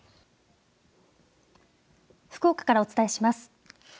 福岡からお伝えします。